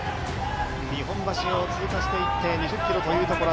日本橋を通過していって、２０ｋｍというところ。